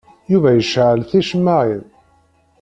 Yuba yecɛel ticemmaɛin.